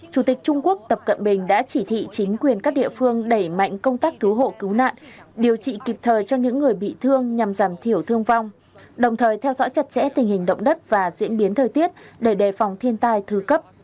chủ tịch trung quốc tập cận bình đã chỉ thị chính quyền các địa phương đẩy mạnh công tác cứu hộ cứu nạn điều trị kịp thời cho những người bị thương nhằm giảm thiểu thương vong đồng thời theo dõi chặt chẽ tình hình động đất và diễn biến thời tiết để đề phòng thiên tai thứ cấp